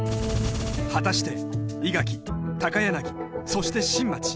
果たして伊垣高柳そして新町